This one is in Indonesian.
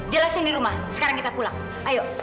jelasin di rumah sekarang kita pulang ayo